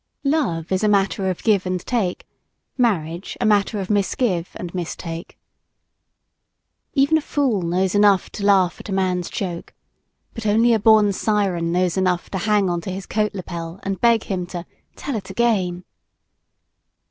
Love is a matter of give and take marriage, a matter of misgive and mistake. Even a fool knows enough to laugh at a man's joke but only a born Siren knows enough to hang onto his coat lapel and beg him to "Tell it again!"